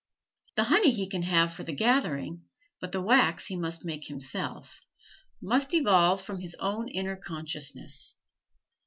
The honey he can have for the gathering, but the wax he must make himself must evolve from his own inner consciousness.